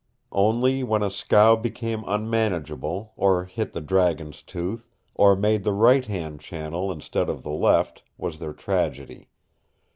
Only when a scow became unmanageable, or hit the Dragon's Tooth, or made the right hand channel instead of the left, was there tragedy.